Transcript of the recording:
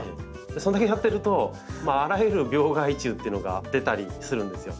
それだけやってるとあらゆる病害虫っていうのが出たりするんですよ。